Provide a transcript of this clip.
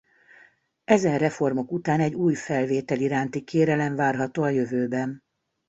Ezen reformok után egy új felvétel iránti kérelem várható a jövőben.